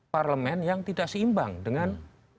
parlemen yang tidak seimbang dengan